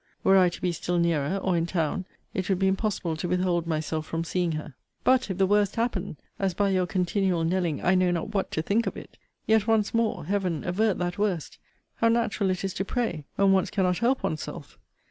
Were I to be still nearer, or in town, it would be impossible to withhold myself from seeing her. But, if the worst happen! as, by your continual knelling, I know not what to think of it! [Yet, once more, Heaven avert that worst! How natural it is to pray, when once cannot help one's self!